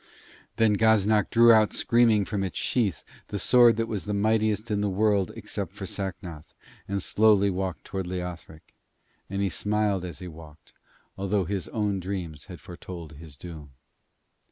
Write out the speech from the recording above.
Then Gaznak drew out screaming from its sheath the sword that was the mightiest in the world except for Sacnoth, and slowly walked towards Leothric; and he smiled as he walked, although his own dreams had foretold his doom.